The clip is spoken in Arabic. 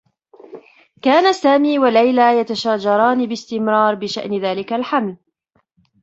كانا سامي و ليلى يتشاجران باستمرار بشأن ذلك الحمل.